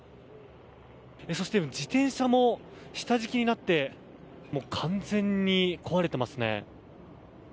そして自転車も下敷きになって完全に壊れています。